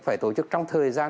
phải tổ chức trong thời gian